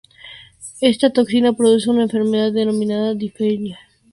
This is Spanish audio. Esta toxina produce una enfermedad denominada difteria.